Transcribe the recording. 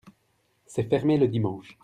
c'est fermé le dimanche.